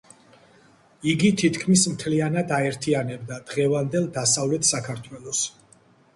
იგი თითქმის მთლიანად აერთიანებდა დღევანდელ დასავლეთ საქართველოს.